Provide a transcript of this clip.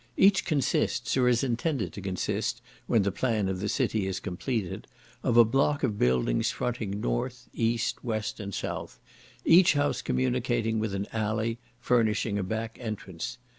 Each consists, or is intended to consist, when the plan of the city is completed, of a block of buildings fronting north, east, west, and south; each house communicating with an alley, furnishing a back entrance.